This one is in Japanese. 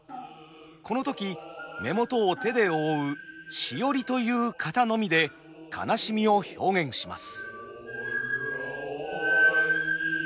この時目元を手で覆う「シオリ」という型のみで哀しみを表現します。